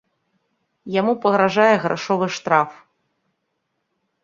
Яму пагражае грашовы штраф.